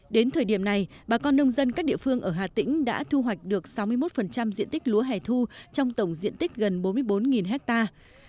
đến thời điểm này bà con nông dân các địa phương ở hà tĩnh đã thu hoạch được sáu mươi một diện tích lúa hẻ thu trong tổng diện tích gần bốn mươi bốn hectare